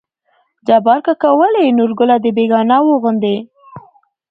جبار کاکا: ولې نورګله د بيګانه وو غوندې